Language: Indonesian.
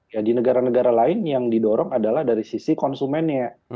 ya di negara negara lain yang didorong adalah dari sisi konsumennya